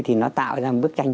thì nó tạo ra một bức tranh